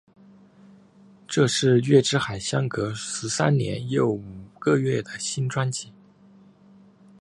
这是月之海相隔十三年又五个月的新专辑。